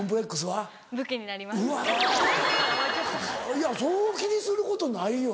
いやそう気にすることないよね。